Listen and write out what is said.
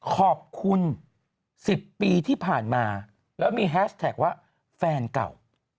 ขอบคุณ๑๐ปีที่ผ่านมาแล้วมีแฮชแท็กว่าแฟนเก่า